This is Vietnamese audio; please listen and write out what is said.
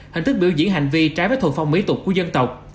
hình thức biểu diễn hành vi trái với thuần phong mỹ tục của dân tộc